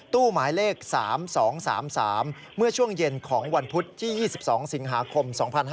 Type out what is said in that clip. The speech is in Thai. หมายเลข๓๒๓๓เมื่อช่วงเย็นของวันพุธที่๒๒สิงหาคม๒๕๕๙